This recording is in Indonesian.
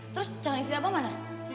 terus jangan isinya apa apa mana